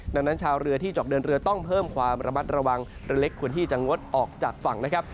ดังนั้นชาวเรือที่เจาะเดินเรือต้องเพิ่มความระมัดระวังเรือเล็กควรที่จะงดออกจากฝั่งนะครับ